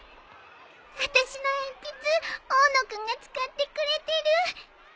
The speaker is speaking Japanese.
あたしの鉛筆大野君が使ってくれてる